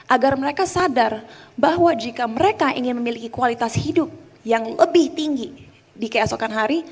agar mereka sadar bahwa jika mereka ingin memiliki kualitas hidup yang lebih tinggi di keesokan hari